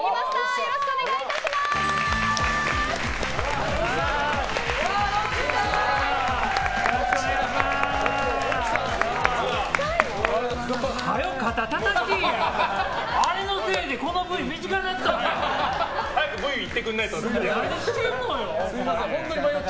よろしくお願いします！